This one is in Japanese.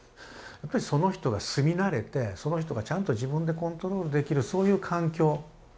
やっぱりその人が住み慣れてその人がちゃんと自分でコントロールできるそういう環境。